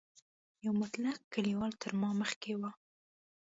یو مطلق کلیوال تر ما مخکې و.